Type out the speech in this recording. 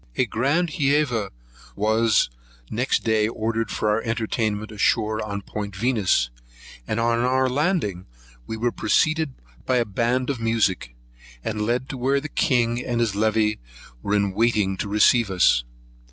A grand Hæva was next day ordered for our entertainment ashore, on Point Venus, and on our landing we were preceded by a band of music, and led to where the king and his levee were in waiting to receive us.